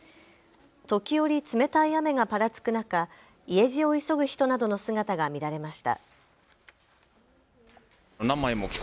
時折、冷たい雨がぱらつく中家路を急ぐ人などの姿が見られました。